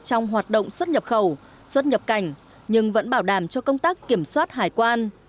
trong hoạt động xuất nhập khẩu xuất nhập cảnh nhưng vẫn bảo đảm cho công tác kiểm soát hải quan